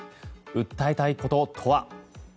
訴えたいこととは。